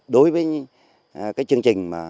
đối với cái chương trình